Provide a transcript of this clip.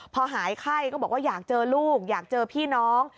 พอหายไข้ก็บอกว่าอยากเจอลูกอยากเจอพี่น้อง